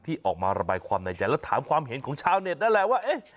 ที่ออกมาระบายความในใจแล้วถามความเห็นของชาวเน็ตนั่นแหละว่าเอ๊ะ